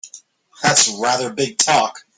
That's rather big talk!